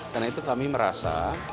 karena itu kami merasa